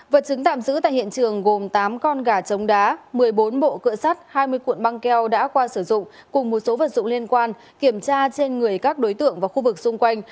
vật chứng tạm giữ tại hiện trường gồm tám con gà trống đá một mươi bốn bộ cựa sắt hai mươi cuộn băng keo đã qua sử dụng cùng một số vật dụng liên quan kiểm tra trên người các đối tượng và khu vực xung quanh